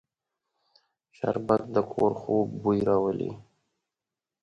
شربت د کور خوږ بوی راولي